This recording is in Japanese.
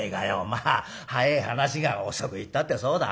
「まあ早え話が遅く言ったってそうだ